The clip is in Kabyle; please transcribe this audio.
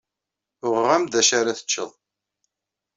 Uɣeɣ-am-d d acu ara teččeḍ.